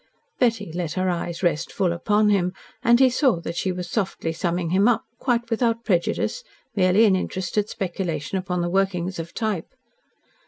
Betty let her eyes rest full upon him, and he saw that she was softly summing him up quite without prejudice, merely in interested speculation upon the workings of type.